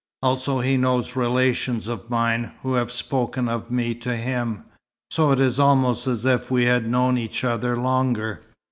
Also he knows relations of mine, who have spoken of me to him, so it is almost as if we had known each other longer.